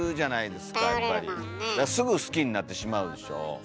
すぐ好きになってしまうでしょ。